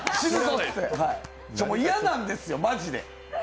嫌なんですよ、マジで。